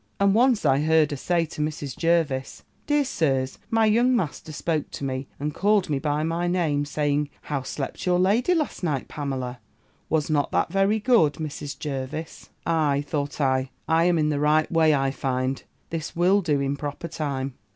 And once I heard her say to Mrs. Jervis, 'Dear Sirs, my young master spoke to me, and called me by my name, saying How slept your lady last night, Pamela? Was not that very good, Mrs. Jervis?' 'Ay,' thought I, 'I am in the right way, I find: this will do in proper time.